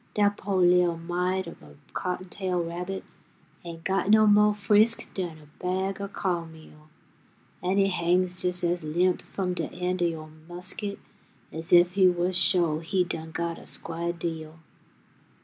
Dat po' li'l' mite ob a cottontail rabbit Ain't got no mo' frisk dan a bag o' co'n meal, An' he hangs jes' as limp f'um de end o' yo' musket As ef he wus sho' he done got a squah deal.